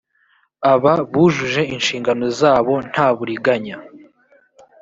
aba bujuje inshingano zabo nta buriganya